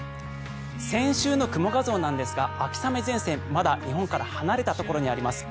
先週の雲画像なんですが秋雨前線まだ日本から離れたところにあります。